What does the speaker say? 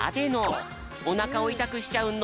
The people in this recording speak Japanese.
おなかをいたくしちゃうノロ。